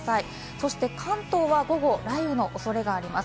そして関東は午後、雷雨の恐れがあります。